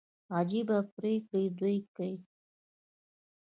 عجبه پرېکړي دوى کيي.